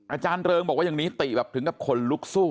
อาจารย์เริงบอกว่าอย่างนี้ติแบบถึงกับคนลุกสู้